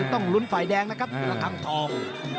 ต้องลุ้นฝ่ายแดงนะครับระคังทอง